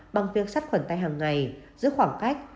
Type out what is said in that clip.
bằng việc sắt khuẩn tay hàng ngày giữ khoảng cách